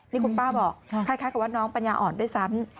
นี่คุณป้าบอกคล้ายกับว่าน้องปัญญาอ่อนด้วยซ้ำ